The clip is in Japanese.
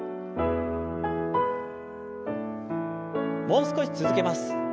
もう少し続けます。